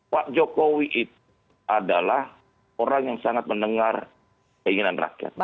pak jokowi itu adalah orang yang sangat mendengar keinginan rakyat